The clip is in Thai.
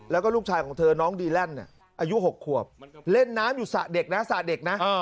แล้วก็ลูกชายของเธอน้องดีแลนด์อายุ๖ขวบเล่นน้ำอยู่สระเด็กนะสระเด็กนะ